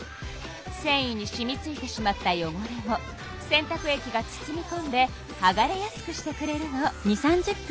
せんいにしみついてしまったよごれを洗たく液が包みこんではがれやすくしてくれるの。